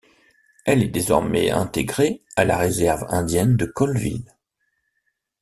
Elle est désormais intégrée à la réserve indienne de Colville.